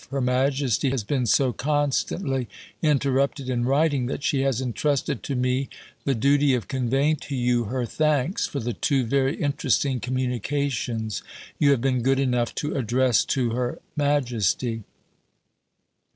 Her Majesty has been so constantly interrupted in writing that she has entrusted to me the duty of conveying to you her thanks for the two very interesting communications you have been good enough to address to Her Majesty.